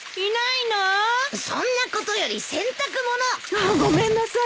ああごめんなさい！